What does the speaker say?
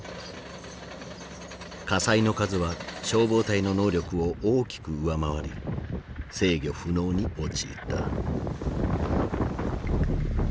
火災の数は消防隊の能力を大きく上回り制御不能に陥った。